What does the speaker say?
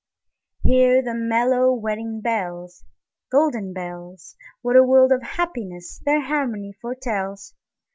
Hear the mellow wedding bells, Golden bells! What a world of happiness their harmony foretells!